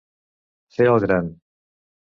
Fer el gran.